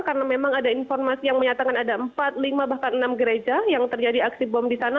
karena memang ada informasi yang menyatakan ada empat lima bahkan enam gereja yang terjadi aksi bom di sana